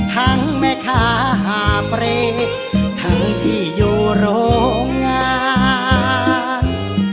แม่ค้าหาเปรย์ทั้งที่อยู่โรงงาน